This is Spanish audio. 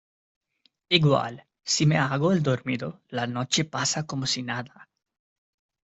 igual, si me hago el dormido , la noche pasa como si nada.